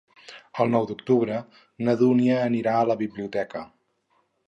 El nou d'octubre na Dúnia anirà a la biblioteca.